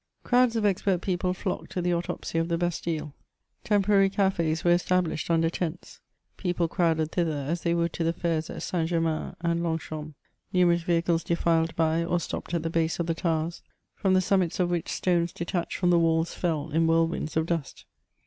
Crowds of expert people flocked to the autopsy of the Bastille. Temporary cafes were established under tents ; people crowded thither as they would to the fairs at St. Germain and Longchamp ; numerous vehicles defiled by, or stopped at the base of the towers, from the summits of which stones detached iVom the walls fell, in whirlwinds of dust.